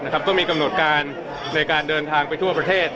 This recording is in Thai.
ก็มีกำหนดการในการเดินทางไปทั่วประเทศ